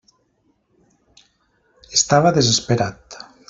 Estava desesperat.